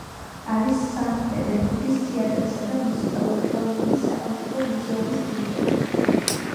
არის სანქტ-პეტერბურგის თეატრისა და მუსიკალური ხელოვნების სახელმწიფო მუზეუმის ფილიალი.